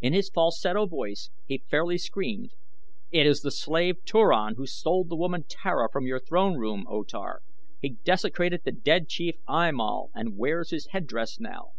In his falsetto voice he fairly screamed: "It is the slave Turan who stole the woman Tara from your throne room, O Tar. He desecrated the dead chief I Mal and wears his harness now!"